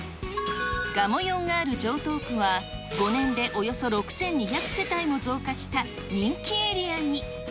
がもよんがある城東区は、５年でおよそ６２００世帯も増加した人気エリアに。